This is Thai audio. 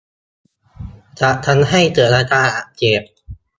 จะทำให้เกิดอาการอักเสบ